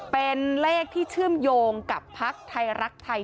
เป็นเลขที่เชื่อมโยงกับพักไทยรักไทย